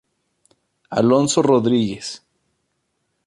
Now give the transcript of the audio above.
Alonso Rodríguez.